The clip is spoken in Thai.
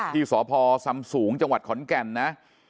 ที่สพซำสูงจังหวัดขอนแก่นนะ